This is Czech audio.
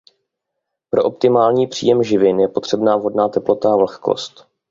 Pro optimální příjem živin je potřebná vhodná teplota a vlhkost.